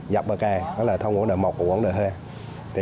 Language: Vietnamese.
dọc bờ kè đó là thôn quảng đại một của quảng đại hai